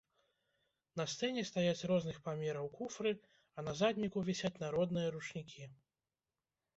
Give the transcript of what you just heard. На сцэне стаяць розных памераў куфры, а на задніку вісяць народныя ручнікі.